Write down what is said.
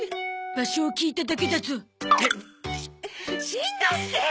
しんのすけ！